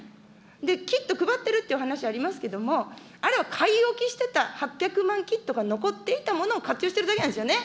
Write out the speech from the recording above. キット配ってるっていう話ありますけれども、あれは買い置きしてた８００万キットが残っていたものを、活用してるだけなんですよね。